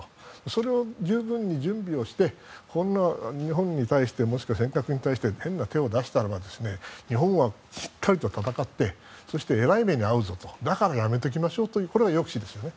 それを十分に準備をして日本に対してもしかして尖閣に対して変な手を出したら日本はしっかりと戦ってそしてえらい目にあうぞとだからやめていきましょうとこれは抑止ですよね。